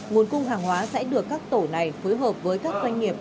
nguồn cung hàng hóa sẽ được các tổ này phối hợp với các doanh nghiệp